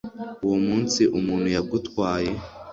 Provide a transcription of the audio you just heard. uwo munsi umuntu yagutwaye.